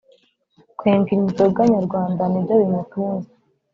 Kwenga inzoga nyarwanda nibyo bimutunze